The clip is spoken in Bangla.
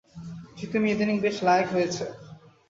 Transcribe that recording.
জিতু মিয়া ইদানীং বেশ লায়েক হয়েছে।